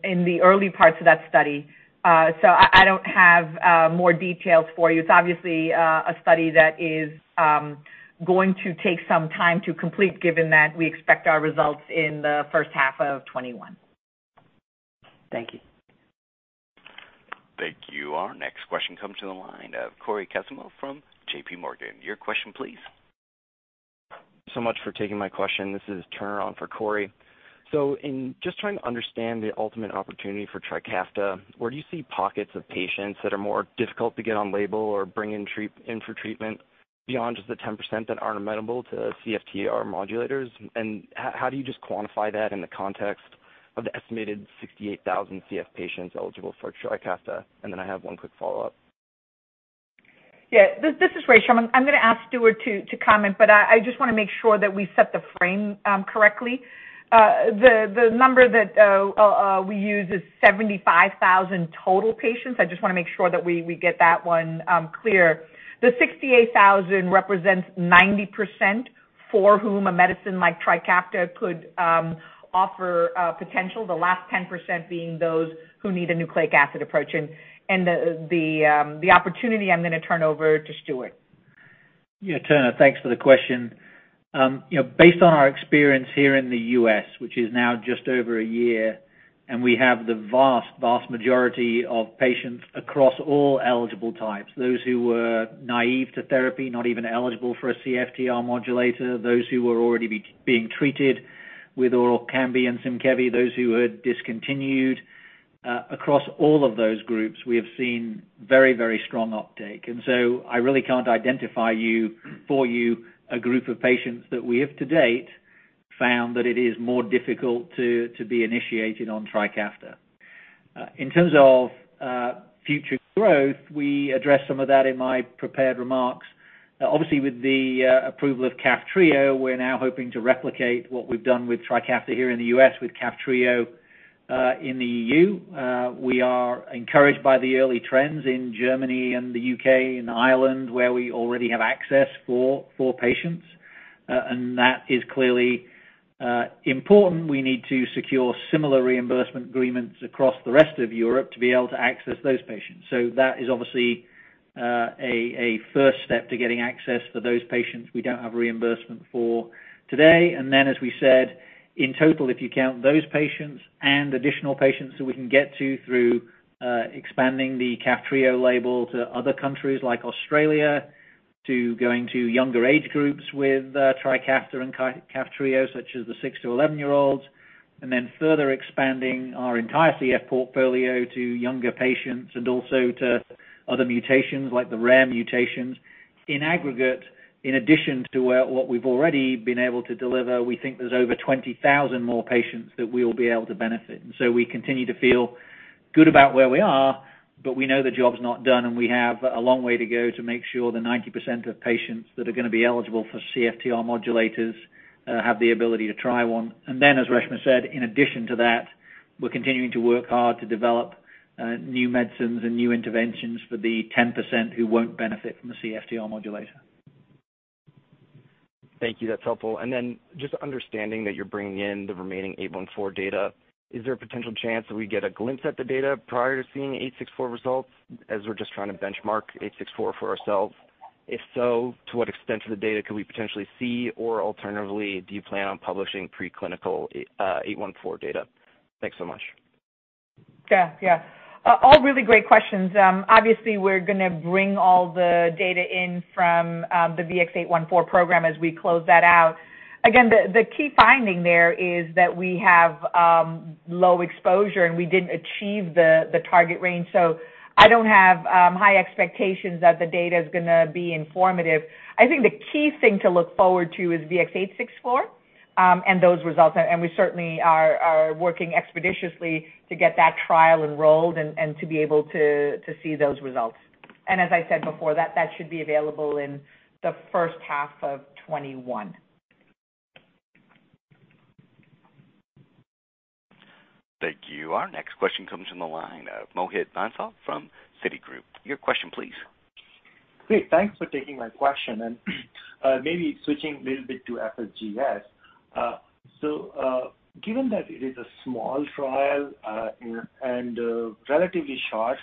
in the early parts of that study. I don't have more details for you. It's obviously a study that is going to take some time to complete, given that we expect our results in the first half of 2021. Thank you. Thank you. Our next question comes to the line of Cory Kasimov from JPMorgan. Your question, please. So much for taking my question. This is Turner on for Cory. In just trying to understand the ultimate opportunity for TRIKAFTA, where do you see pockets of patients that are more difficult to get on label or bring in for treatment beyond just the 10% that aren't amenable to CFTR modulators? How do you just quantify that in the context of the estimated 68,000 CF patients eligible for TRIKAFTA? Then I have one quick follow-up. This is Reshma. I'm going to ask Stuart to comment, I just want to make sure that we set the frame correctly. The number that we use is 75,000 total patients. I just want to make sure that we get that one clear. The 68,000 represents 90% for whom a medicine like TRIKAFTA could offer potential, the last 10% being those who need a nucleic acid approach. The opportunity I'm going to turn over to Stuart. Yeah, Turner, thanks for the question. Based on our experience here in the U.S., which is now just over one year, and we have the vast majority of patients across all eligible types, those who were naive to therapy, not even eligible for a CFTR modulator, those who were already being treated with oral ORKAMBI and Symkevi, those who had discontinued. Across all of those groups, we have seen very strong uptake. I really can't identify for you a group of patients that we have to date found that it is more difficult to be initiated on TRIKAFTA. In terms of future growth, we addressed some of that in my prepared remarks. Obviously, with the approval of KAFTRIO, we're now hoping to replicate what we've done with TRIKAFTA here in the U.S. with KAFTRIO in the EU. We are encouraged by the early trends in Germany and the U.K. and Ireland, where we already have access for patients. That is clearly important. We need to secure similar reimbursement agreements across the rest of Europe to be able to access those patients. That is obviously a first step to getting access for those patients we don't have reimbursement for today. As we said, in total, if you count those patients and additional patients who we can get to through expanding the KAFTRIO label to other countries like Australia, to going to younger age groups with TRIKAFTA and KAFTRIO, such as the 6-11-year-olds, and then further expanding our entire CF portfolio to younger patients and also to other mutations like the rare mutations. In aggregate, in addition to what we've already been able to deliver, we think there's over 20,000 more patients that we will be able to benefit. We continue to feel good about where we are, but we know the job's not done, and we have a long way to go to make sure the 90% of patients that are going to be eligible for CFTR modulators have the ability to try one. Then, as Reshma said, in addition to that, we're continuing to work hard to develop new medicines and new interventions for the 10% who won't benefit from the CFTR modulator. Thank you. That's helpful. Just understanding that you're bringing in the remaining 814 data, is there a potential chance that we get a glimpse at the data prior to seeing 864 results? As we're just trying to benchmark 864 for ourselves. If so, to what extent of the data could we potentially see? Alternatively, do you plan on publishing pre-clinical 814 data? Thanks so much. Yeah. All really great questions. Obviously, we're going to bring all the data in from the VX-814 program as we close that out. The key finding there is that we have low exposure, and we didn't achieve the target range. I don't have high expectations that the data's going to be informative. I think the key thing to look forward to is VX-864, and those results, and we certainly are working expeditiously to get that trial enrolled and to be able to see those results. As I said before, that should be available in the first half of 2021. Thank you. Our next question comes from the line of Mohit Bansal from Citigroup. Your question please. Great. Thanks for taking my question. Maybe switching a little bit to FSGS. Given that it is a small trial and relatively short,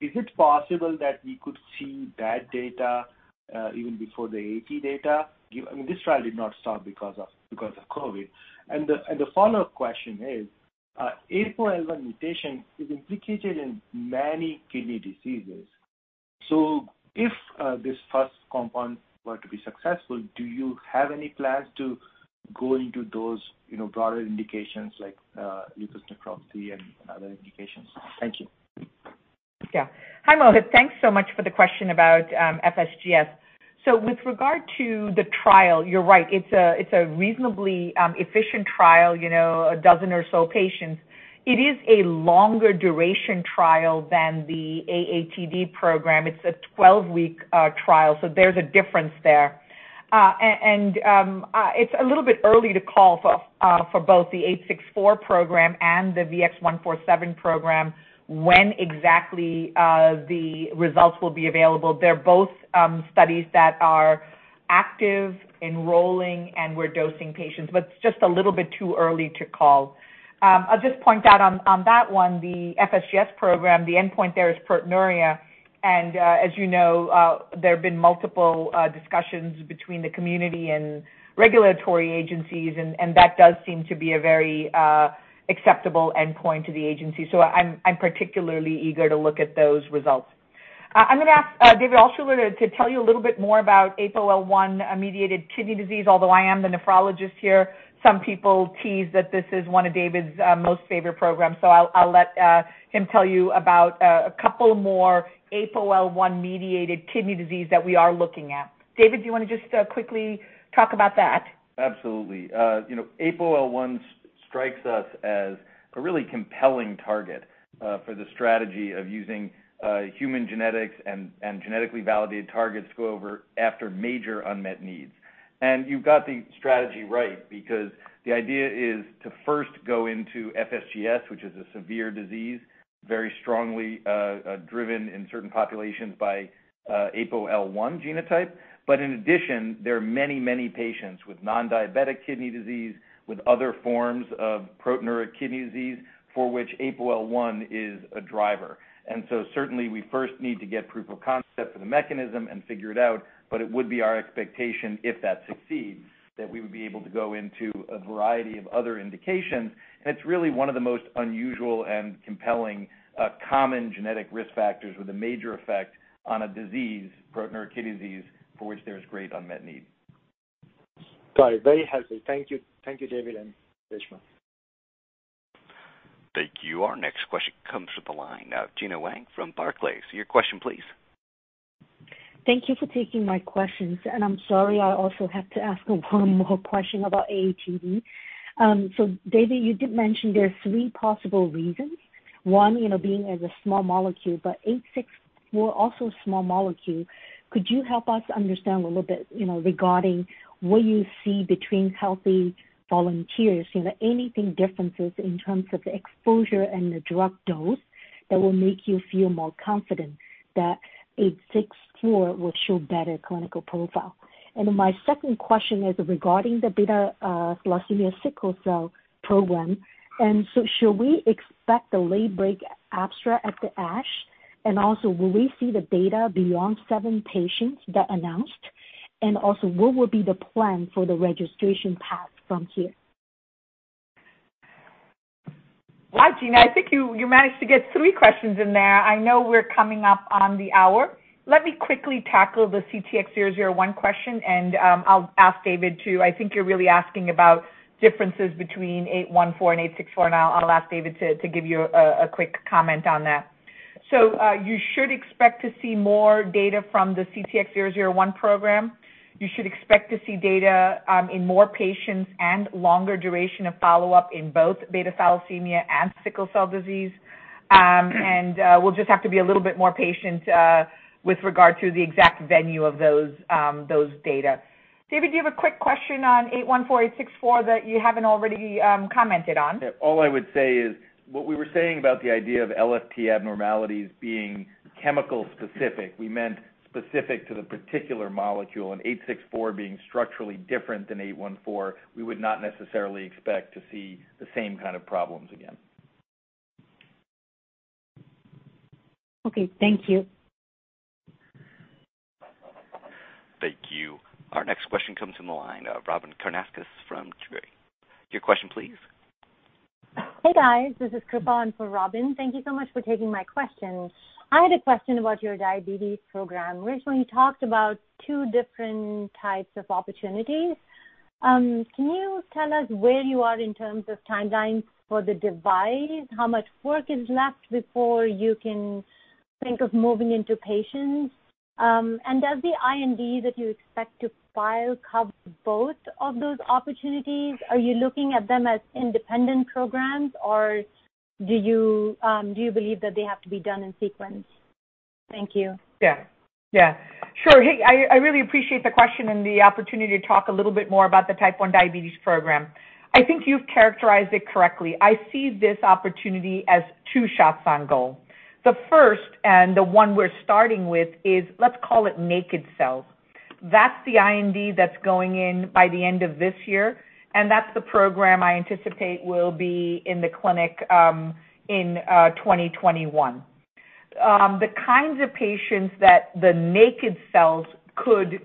is it possible that we could see that data even before the AAT data? This trial did not stop because of COVID. The follow-up question is, APOL1 mutation is implicated in many kidney diseases. If this first compound were to be successful, do you have any plans to go into those broader indications like leukocytosis and other indications? Thank you. Yeah. Hi, Mohit. Thanks so much for the question about FSGS. With regard to the trial, you're right, it's a reasonably efficient trial, a dozen or so patients. It is a longer duration trial than the AATD program. It's a 12-week trial, so there's a difference there. It's a little bit early to call for both the 864 program and the VX-147 program when exactly the results will be available. They're both studies that are active, enrolling, and we're dosing patients, but it's just a little bit too early to call. I'll just point out on that one, the FSGS program, the endpoint there is proteinuria, and, as you know, there have been multiple discussions between the community and regulatory agencies, and that does seem to be a very acceptable endpoint to the agency. I'm particularly eager to look at those results. I'm going to ask David Altshuler to tell you a little bit more about APOL1-mediated kidney disease. Although I am the nephrologist here, some people tease that this is one of David's most favorite programs. I'll let him tell you about a couple more APOL1-mediated kidney disease that we are looking at. David, do you want to just quickly talk about that? Absolutely. APOL1 strikes us as a really compelling target for the strategy of using human genetics and genetically validated targets to go over after major unmet needs. You've got the strategy right, because the idea is to first go into FSGS, which is a severe disease, very strongly driven in certain populations by APOL1 genotype. In addition, there are many patients with non-diabetic kidney disease with other forms of proteinuria kidney disease for which APOL1 is a driver. Certainly we first need to get proof of concept for the mechanism and figure it out, but it would be our expectation, if that succeeds, that we would be able to go into a variety of other indications, and it's really one of the most unusual and compelling common genetic risk factors with a major effect on a disease, proteinuria kidney disease, for which there is great unmet need. Got it. Very helpful. Thank you, David and Reshma. Thank you. Our next question comes from the line of Gena Wang from Barclays. Your question please. Thank you for taking my questions. I'm sorry, I also have to ask one more question about AATD. David, you did mention there are three possible reasons. One, being as a small molecule, but VX-864, also a small molecule. Could you help us understand a little bit regarding what you see between healthy volunteers? Anything differences in terms of the exposure and the drug dose that will make you feel more confident tha 864 will show better clinical profile? My second question is regarding the beta thalassemia sickle cell program. Should we expect a late break abstract at the ASH? Also, will we see the data beyond seven patients that announced? Also, what will be the plan for the registration path from here? Hi, Gena. I think you managed to get three questions in there. I know we're coming up on the hour. Let me quickly tackle the CTX001 question. I'll ask David too. I think you're really asking about differences between VX-814 and VX-864. I'll ask David to give you a quick comment on that. You should expect to see more data from the CTX001 program. You should expect to see data in more patients and longer duration of follow-up in both beta thalassemia and sickle cell disease. We'll just have to be a little bit more patient with regard to the exact venue of those data. David, do you have a quick question on VX-814, VX-864 that you haven't already commented on? All I would say is what we were saying about the idea of LFT abnormalities being chemical-specific, we meant specific to the particular molecule, and 864 being structurally different than 814, we would not necessarily expect to see the same kind of problems again. Okay. Thank you. Thank you. Our next question comes from the line of Robyn Karnauskas from Truist. Your question, please. Hey, guys. This is Kripa in for Robyn. Thank you so much for taking my questions. I had a question about your diabetes program. Reshma, you talked about two different types of opportunities. Can you tell us where you are in terms of timelines for the device? How much work is left before you can think of moving into patients? Does the IND that you expect to file cover both of those opportunities? Are you looking at them as independent programs, or do you believe that they have to be done in sequence? Thank you. Yeah. Sure. Hey, I really appreciate the question and the opportunity to talk a little bit more about the type 1 diabetes program. I think you've characterized it correctly. I see this opportunity as two shots on goal. The first, the one we're starting with is, let's call it naked cells. That's the IND that's going in by the end of this year, that's the program I anticipate will be in the clinic in 2021. The kinds of patients that the naked cells could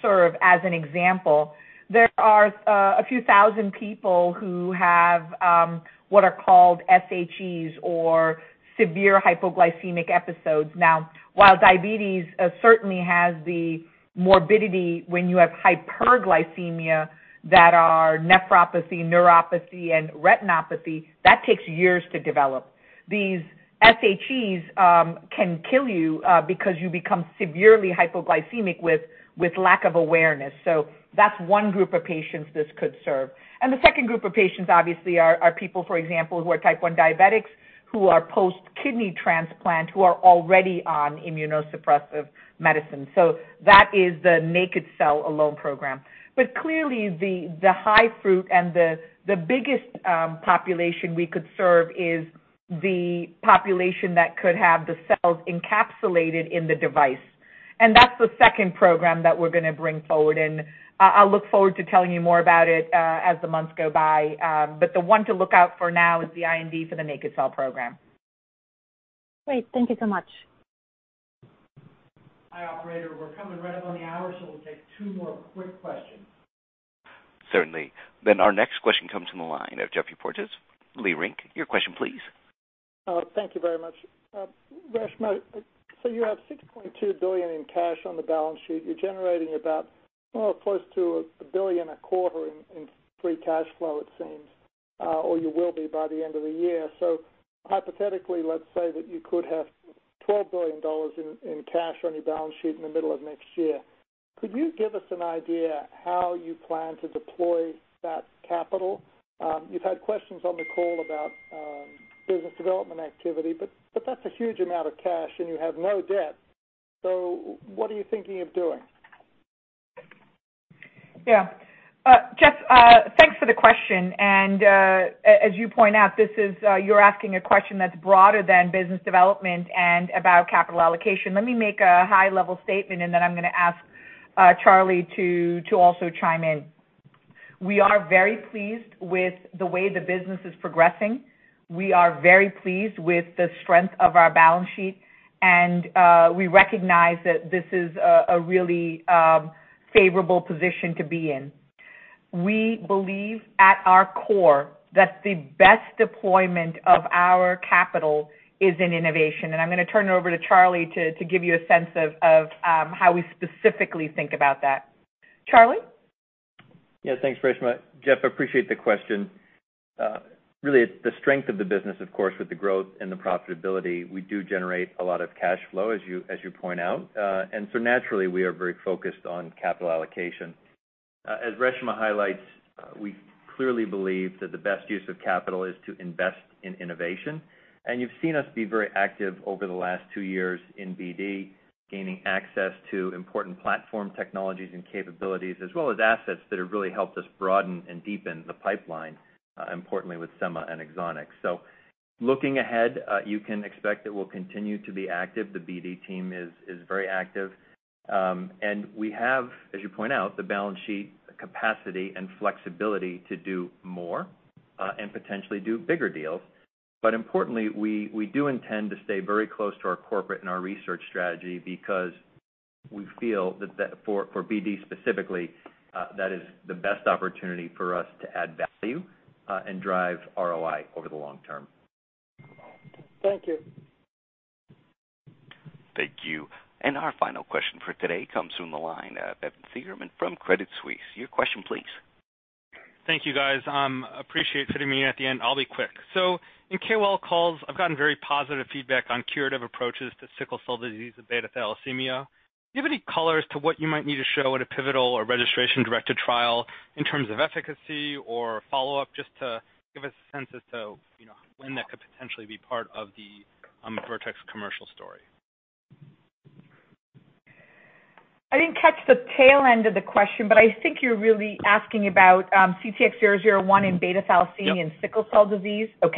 serve as an example, there are a few thousand people who have what are called SHEs or severe hypoglycemic episodes. While diabetes certainly has the morbidity when you have hyperglycemia that are nephropathy, neuropathy, and retinopathy, that takes years to develop. These SHEs can kill you because you become severely hypoglycemic with lack of awareness. That's one group of patients this could serve. The second group of patients, obviously, are people, for example, who are type 1 diabetics who are post kidney transplant who are already on immunosuppressive medicine. That is the naked cell alone program. Clearly the high fruit and the biggest population we could serve is the population that could have the cells encapsulated in the device. That's the second program that we're going to bring forward, and I'll look forward to telling you more about it, as the months go by. The one to look out for now is the IND for the naked cell program. Great. Thank you so much. Hi, operator. We're coming right up on the hour, so we'll take two more quick questions. Certainly. Our next question comes from the line of Geoffrey Porges, Leerink. Your question, please. Thank you very much. Reshma, you have $6.2 billion in cash on the balance sheet. You're generating about close to $1 billion a quarter in free cash flow it seems, or you will be by the end of the year. Hypothetically, let's say that you could have $12 billion in cash on your balance sheet in the middle of next year. Could you give us an idea how you plan to deploy that capital? You've had questions on the call about business development activity, that's a huge amount of cash, and you have no debt. What are you thinking of doing? Yeah. Geoff, thanks for the question. As you point out, you're asking a question that's broader than business development and about capital allocation. Let me make a high-level statement, and then I'm going to ask Charlie to also chime in. We are very pleased with the way the business is progressing. We are very pleased with the strength of our balance sheet, and we recognize that this is a really favorable position to be in. We believe at our core that the best deployment of our capital is in innovation. I'm going to turn it over to Charlie to give you a sense of how we specifically think about that. Charlie? Yeah. Thanks, Reshma. Geoff, appreciate the question. Really, it's the strength of the business, of course, with the growth and the profitability. We do generate a lot of cash flow, as you point out. Naturally, we are very focused on capital allocation. As Reshma highlights, we clearly believe that the best use of capital is to invest in innovation. You've seen us be very active over the last two years in BD, gaining access to important platform technologies and capabilities, as well as assets that have really helped us broaden and deepen the pipeline, importantly with Semma and Exonics. Looking ahead, you can expect that we'll continue to be active. The BD team is very active. We have, as you point out, the balance sheet capacity and flexibility to do more, and potentially do bigger deals. Importantly, we do intend to stay very close to our corporate and our research strategy because we feel that for BD specifically, that is the best opportunity for us to add value and drive ROI over the long term. Thank you. Thank you. Our final question for today comes from the line of Evan Seigerman from Credit Suisse. Your question, please. Thank you, guys. Appreciate fitting me in at the end. I'll be quick. In KOL calls, I've gotten very positive feedback on curative approaches to sickle cell disease and beta thalassemia. Do you have any color as to what you might need to show at a pivotal or registration-directed trial in terms of efficacy or follow-up, just to give us a sense as to when that could potentially be part of the Vertex commercial story? I didn't catch the tail end of the question, but I think you're really asking about CTX001 in beta thalassemia and sickle cell disease. Yep.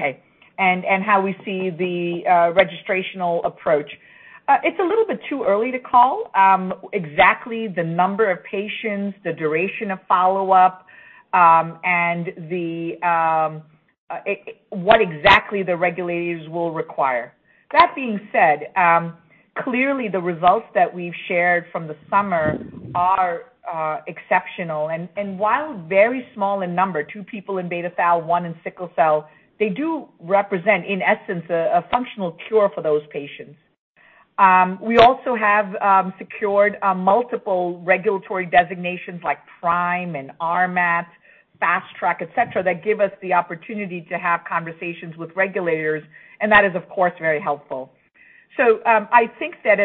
How we see the registrational approach. It is a little bit too early to call exactly the number of patients, the duration of follow-up, and what exactly the regulators will require. That being said, clearly the results that we have shared from the summer are exceptional. While very small in number, two people in beta thal, one in sickle cell, they do represent, in essence, a functional cure for those patients. We also have secured multiple regulatory designations like PRIME and RMAT, Fast Track, et cetera, that give us the opportunity to have conversations with regulators, and that is, of course, very helpful. I think that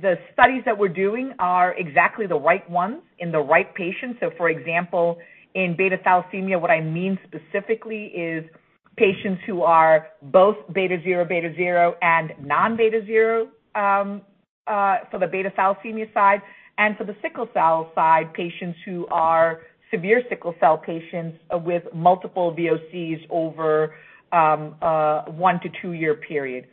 the studies that we are doing are exactly the right ones in the right patients. For example, in beta thalassemia, what I mean specifically is patients who are both beta-zero, beta-zero, and non-beta-zero for the beta thalassemia side. For the sickle cell side, patients who are severe sickle cell patients with multiple VOCs over a one to two-year period.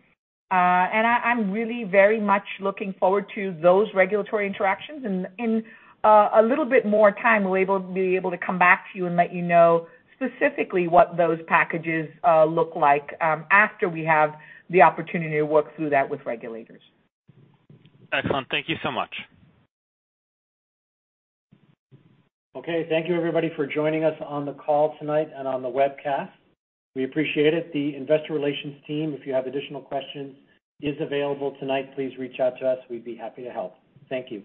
I'm really very much looking forward to those regulatory interactions. In a little bit more time, we'll be able to come back to you and let you know specifically what those packages look like after we have the opportunity to work through that with regulators. Excellent. Thank you so much. Okay, thank you everybody for joining us on the call tonight and on the webcast. We appreciate it. The investor relations team, if you have additional questions, is available tonight. Please reach out to us. We'd be happy to help. Thank you.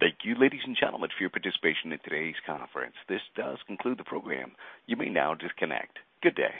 Thank you, ladies and gentlemen, for your participation in today's conference. This does conclude the program. You may now disconnect. Good day.